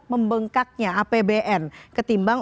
membengkaknya apbn ketimbang